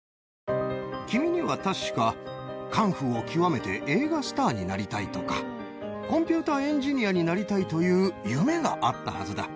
君には確か、カンフーを極めて、映画スターになりたいとか、コンピューターエンジニアになりたいという夢があったはずだ。